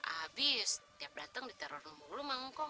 abis tiap dateng diterorong mulu sama engkong